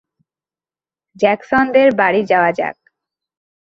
জ্যাকসনদের বাড়ি যাওয়া যাক।